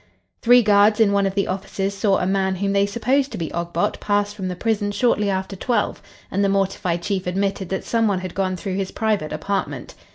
Three guards in one of the offices saw a man whom they supposed to be Ogbot pass from the prison shortly after twelve, and the mortified Chief admitted that some one had gone through his private apartment.